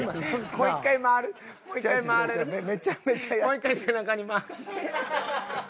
もう一回背中に回して。